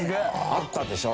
あったでしょ？